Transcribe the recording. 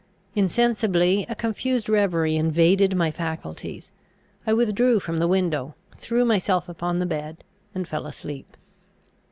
Insensibly a confused reverie invaded my faculties; I withdrew from the window, threw myself upon the bed, and fell asleep.